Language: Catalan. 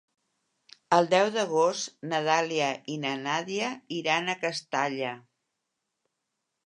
El deu d'agost na Dàlia i na Nàdia iran a Castalla.